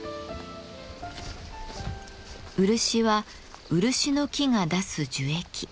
漆は漆の木が出す樹液。